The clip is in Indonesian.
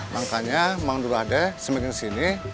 makanya bang dulo ada semakin sini